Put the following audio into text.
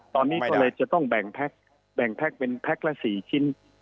ตอนนี้ก็เลยจะต้องแบ่งแพ็คเป็นแพ็คละ๔ชิ้น